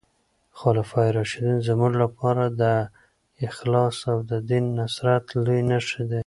خلفای راشدین زموږ لپاره د اخلاص او د دین د نصرت لويې نښې دي.